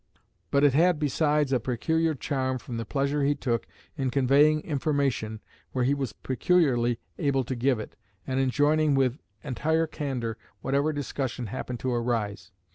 But it had besides a peculiar charm from the pleasure he took in conveying information where he was peculiarly able to give it, and in joining with entire candor whatever discussion happened to arise.